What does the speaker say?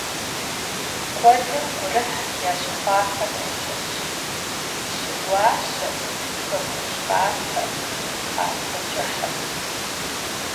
Kuedım gurıh yaşıxhuaxem yaşışş Pşı guaşer, Xekuj khafer, Khafe ç'ıhır.